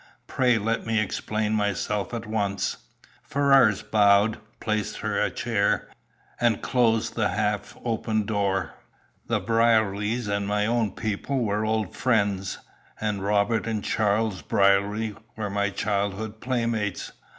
Pray let me explain myself at once." Ferrars bowed, placed her a chair, and closed the half open door. "The Brierlys and my own people were old friends, and Robert and Charles Brierly were my childhood playmates.